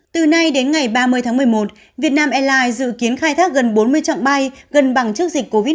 từ nay đến ngày ba mươi tháng một mươi một vietnam airlines dự kiến khai thác gần bốn mươi trạng bay gần bằng trước dịch covid một mươi chín